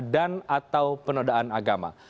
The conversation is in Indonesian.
dan atau penodaan agama